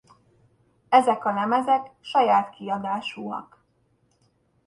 Ezek a lemezek saját kiadásúak.